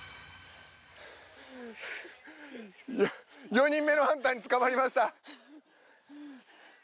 ４人目のハンターに捕まりました。